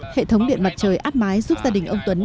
hệ thống điện mặt trời áp mái giúp gia đình ông tuấn